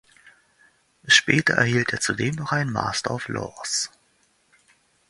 Später erhielt er zudem noch einen Master of Laws.